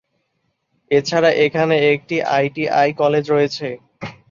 এছাড়া এখানে একটি আই টি আই কলেজ রয়েছে।